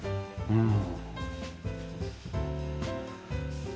うん。